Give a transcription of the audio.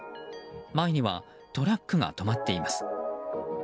前にはトラックが止まっています。